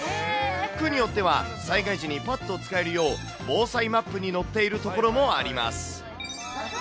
区によっては災害時に、ぱっと使えるよう、防災マップに載っている所もあります。